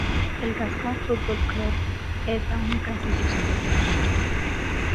El Gascón Football Club es la única institución deportiva.